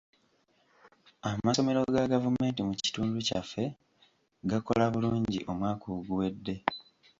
Amasomero ga gavumenti mu kitundu kyaffe gakola bulungi omwaka oguwedde.